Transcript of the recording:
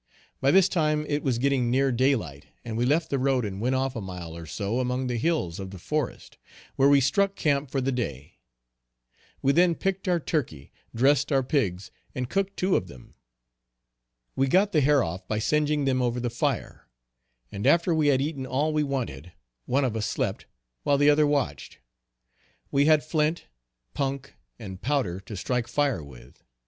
By this time it was getting near day light and we left the road and went off a mile or so among the hills of the forest, where we struck camp for the day. We then picked our turkey, dressed our pigs, and cooked two of them. We got the hair off by singeing them over the fire, and after we had eaten all we wanted, one of us slept while the other watched. We had flint, punk, and powder to strike fire with.